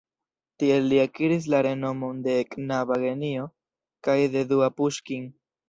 Tiel li akiris la renomon de knaba genio kaj de "dua Puŝkin".